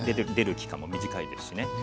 出る期間も短いですしね。